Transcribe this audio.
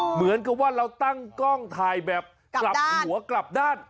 เหมือนกับว่าเราตั้งกล้องถ่ายแบบกลับหัวกลับด้าน